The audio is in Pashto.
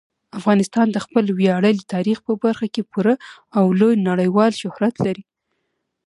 افغانستان د خپل ویاړلي تاریخ په برخه کې پوره او لوی نړیوال شهرت لري.